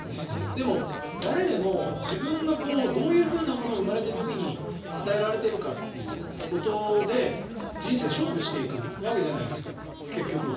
でも、誰でも自分がどういうものを生まれた時に与えられてるかっていうことで人生、勝負していくわけじゃないですか、結局は。